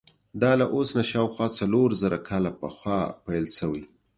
دا له اوس نه شاوخوا څلور زره کاله پخوا پیل شوی.